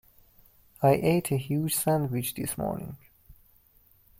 I ate a huge sandwich this morning.